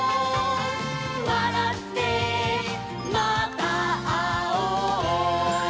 「わらってまたあおう」